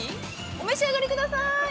お召し上がりください。